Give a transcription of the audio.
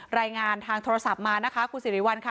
รายงานทางโทรศัพท์มานะคะคุณสิริวัลค่ะ